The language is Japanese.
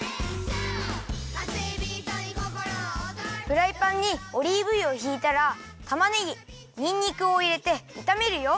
フライパンにオリーブ油をひいたらたまねぎにんにくをいれていためるよ。